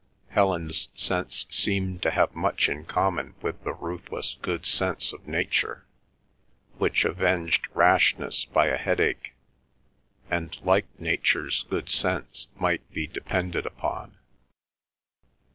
Helen's sense seemed to have much in common with the ruthless good sense of nature, which avenged rashness by a headache, and, like nature's good sense, might be depended upon.